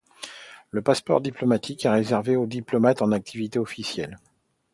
Le passeport diplomatique est réservé aux diplomates en activité officielle.